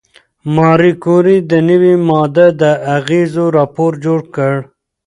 ماري کوري د نوې ماده د اغېزو راپور جوړ کړ.